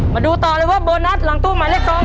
มาดูต่อเลยว่าโบนัสหลังตู้หมายเลข๒